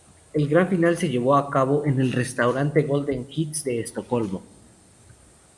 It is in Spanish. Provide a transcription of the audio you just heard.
La gran final se llevó a cabo en el restaurante Golden Hits de Estocolmo.